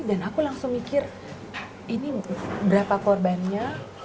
dan aku langsung mikir ini berapa korbannya